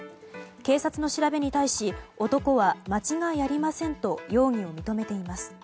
警察の調べに対し男は、間違いありませんと容疑を認めています。